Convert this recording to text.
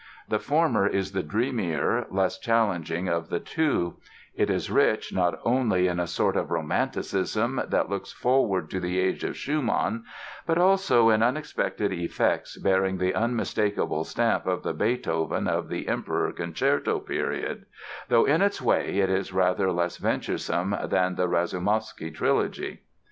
The former is the dreamier, less challenging of the two; it is rich not only in a sort of romanticism that looks forward to the age of Schumann, but also in unexpected effects bearing the unmistakable stamp of the Beethoven of the "Emperor" Concerto period, though in its way it is rather less venturesome than the "Rasoumovsky" trilogy.